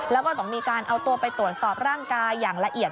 แล้วก็ต้องมีการเอาตัวไปตรวจสอบร่างกายอย่างละเอียด